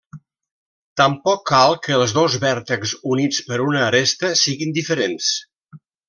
Tampoc cal que els dos vèrtexs units per una aresta siguin diferents.